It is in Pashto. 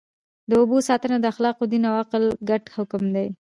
د اوبو ساتنه د اخلاقو، دین او عقل ګډ حکم دی.